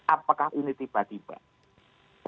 apakah ini tiba tiba